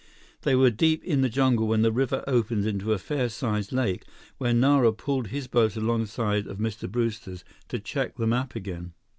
They were deep in the jungle when the river opened into a fair sized lake, where Nara pulled his boat alongside of Mr. Brewster's, to check the map again.